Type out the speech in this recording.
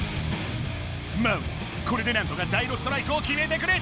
マウナこれでなんとかジャイロストライクをきめてくれ！